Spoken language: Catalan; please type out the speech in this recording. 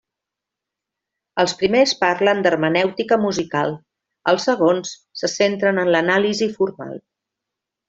Els primers parlen d'hermenèutica musical; els segons se centren en l'anàlisi formal.